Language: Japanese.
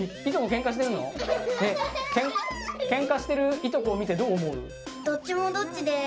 ケンカしてるいとこを見てどう思う？